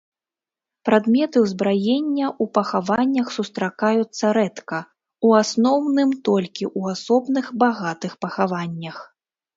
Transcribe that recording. Прадметы ўзбраення ў пахаваннях сустракаюцца рэдка, у асноўным толькі ў асобных багатых пахаваннях.